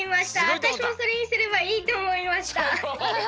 わたしもそれにすればいいとおもいました。